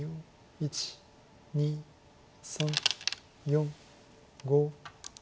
１２３４５。